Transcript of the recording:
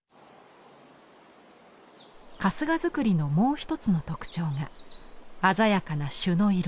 春日造のもう一つの特徴が鮮やかな朱の色。